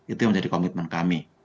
itu yang menjadi komitmen kami